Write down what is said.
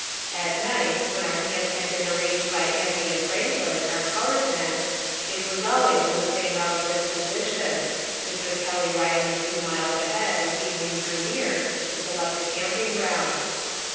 At night, when our camp had been arranged by Andy and Franklin, our colored men, it was always in the same relative position, Mr. Kelly riding a few miles ahead as evening drew near to select the camping ground.